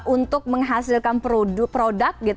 untuk menghasilkan produk